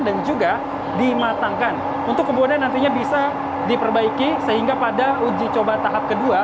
dan juga dimatangkan untuk kemudian nantinya bisa diperbaiki sehingga pada uji coba tahap kedua